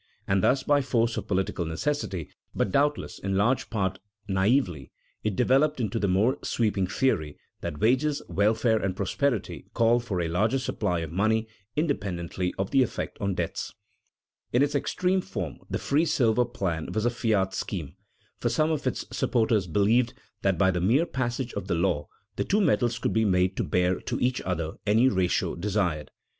And thus, by force of political necessity, but doubtless in large part naïvely, it developed into the more sweeping theory that wages, welfare, and prosperity called for a larger supply of money independently of the effect on debts. [Sidenote: The free silver theory] In its extreme form the free silver plan was a fiat scheme, for some of its supporters believed that by the mere passage of the law the two metals could be made to bear to each other any ratio desired.